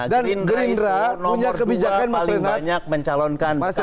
dan gerindra itu nomor dua paling banyak mencalonkan bekas korupor